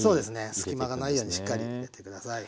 隙間がないようにしっかり入れて下さい。